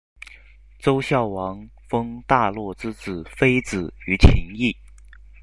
周孝王封大骆之子非子于秦邑。